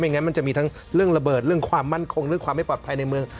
งั้นมันจะมีทั้งเรื่องระเบิดเรื่องความมั่นคงเรื่องความไม่ปลอดภัยในเมือง